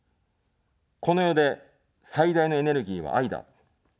この世で最大のエネルギーは愛だ。